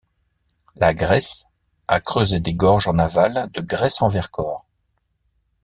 La Gresse a creusé des gorges en aval de Gresse-en-Vercors.